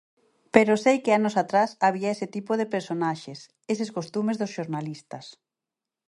Pero sei que anos atrás había ese tipo de personaxes, eses costumes dos xornalistas.